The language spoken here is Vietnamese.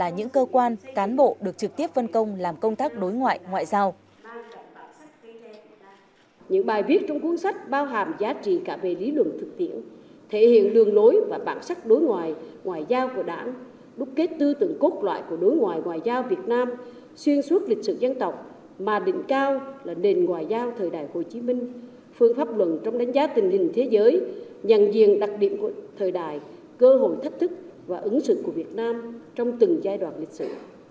những bài viết trong cuốn sách bao hàm giá trị cả về lý luận thực tiễn thể hiện đường lối và bản sắc đối ngoại ngoại giao của đảng đúc kết tư tưởng cốt loại của đối ngoại ngoại giao việt nam xuyên suốt lịch sử dân tộc mà định cao là nền ngoại giao thời đại hồ chí minh phương pháp luận trong đánh giá tình hình thế giới nhằn diện đặc điểm của thời đại cơ hội thách thức và ứng sự của việt nam trong từng giai đoạn lịch sử